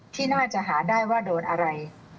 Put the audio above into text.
ที่น่าจะหาได้ว่าโดนอะไร